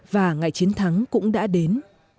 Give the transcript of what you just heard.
và ngày chiến thắng cũng đã đến